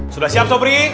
sudah siap sobri